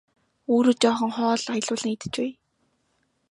Өөрөө жаахан хоол аялуулан идэж байя!